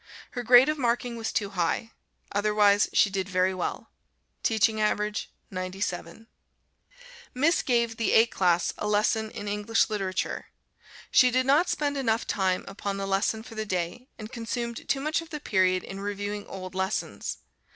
Her grade of marking was too high; otherwise, she did very well. Teaching average, 97. Miss gave the A class a lesson in English Literature. She did not spend enough time upon the lesson for the day, and consumed too much of the period in reviewing old lessons.